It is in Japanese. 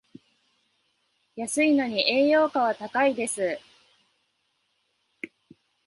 安いのに栄養価は高いです